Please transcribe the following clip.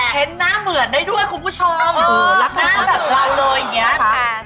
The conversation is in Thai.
เห็นน่าเหมือนได้ด้วยคุณผู้ชมรับทำตัวแบบกลางโลยังไง